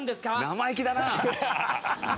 生意気だな！